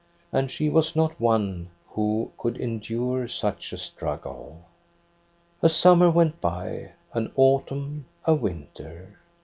And she was not one wh9. could endure such a struggle. " A summer went by, an autumn, a winter.